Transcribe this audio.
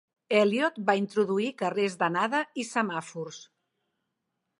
Elliott va introduir carrers d'anada i semàfors.